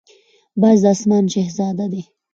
باز د آسمان شهزاده دی